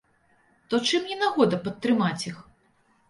То чым не нагода падтрымаць іх?